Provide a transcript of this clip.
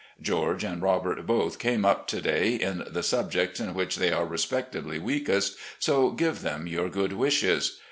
George and Robert both came up to day in the subjects in which they are respectively weakest, so give them your good wishes.